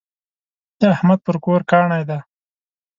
د احمد پر کور کاڼی دی.